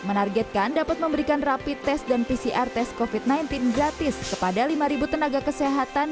menargetkan dapat memberikan rapid test dan pcr tes covid sembilan belas gratis kepada lima tenaga kesehatan